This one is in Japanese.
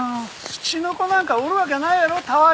ツチノコなんかおるわけないやろたわけ！